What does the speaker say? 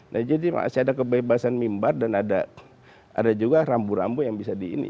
nah jadi masih ada kebebasan mimbar dan ada juga rambu rambu yang bisa di ini